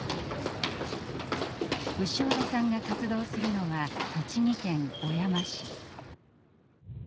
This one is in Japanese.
潮田さんが活動するのは栃木県小山市。